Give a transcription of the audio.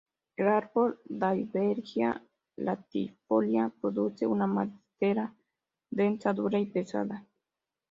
El árbol "Dalbergia latifolia" produce una madera densa, dura y pesada.